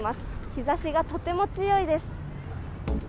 日ざしがとても強いです。